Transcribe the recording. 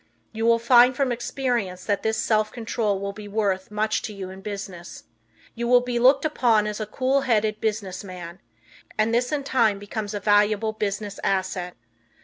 You will find from experience that this self control will be worth much to you in business. You will be looked upon as a cool headed business man, and this in time becomes a valuable business asset.